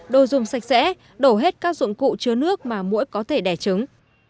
đồ dùng sạch sẽ đổ hết các dụng cụ chứa nước mà mỗi có thể đẻ trứng